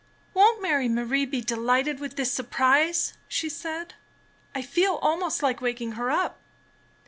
''Won't Mary Marie be delighted with this sur prise?" she said. ''I feel almost Hke waking her up."